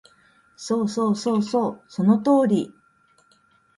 そうそうそうそう、その通り